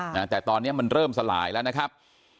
นะฮะแต่ตอนเนี้ยมันเริ่มสลายแล้วนะครับ